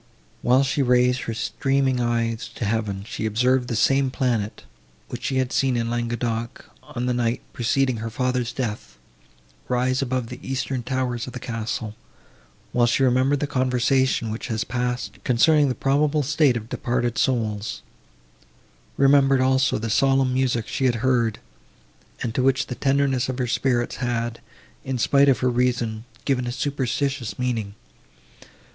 While she raised her streaming eyes to heaven, she observed the same planet, which she had seen in Languedoc, on the night, preceding her father's death, rise above the eastern towers of the castle, while she remembered the conversation, which has passed, concerning the probable state of departed souls; remembered, also, the solemn music she had heard, and to which the tenderness of her spirits had, in spite of her reason, given a superstitious meaning.